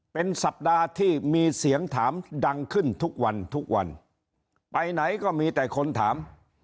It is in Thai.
เป็นสัปดาห์ที่มีเสียงถามดังขึ้นทุกวันทุกวันไปไหนก็มีแต่คนถาม